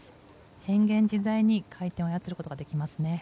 変幻自在に回転を出すことができますね。